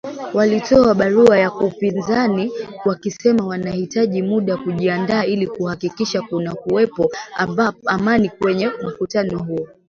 Walitoa barua kwa upinzani wakisema wanahitaji muda kujiandaa ili kuhakikisha kutakuwepo amani kwenye mkutano huo